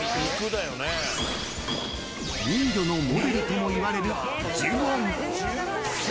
［人魚のモデルともいわれる］